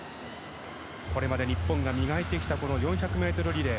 これまで日本が磨いてきた４００ｍリレー。